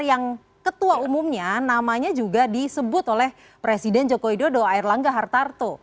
yang ketua umumnya namanya juga disebut oleh presiden joko widodo air langga hartarto